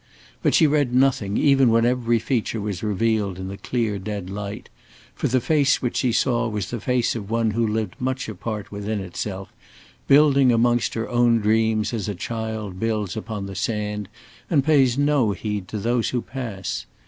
But she read nothing even when every feature was revealed in the clear dead light, for the face which she saw was the face of one who lived much apart within itself, building amongst her own dreams as a child builds upon the sand and pays no heed to those who pass.